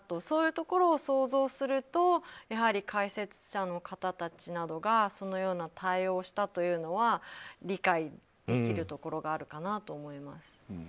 そういうところを想像すると解説者の方たちなどがそのような対応をしたというのは理解できるところがあるかなと思います。